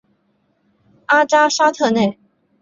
阿扎沙特内。